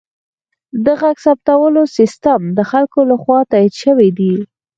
د غږ ثبتولو سیستم د خلکو لخوا تایید شوی دی.